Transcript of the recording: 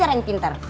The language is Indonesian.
ajar yang pintar